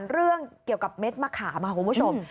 เรื่องเกี่ยวกับเม็ดมะขามค่ะคุณผู้ชม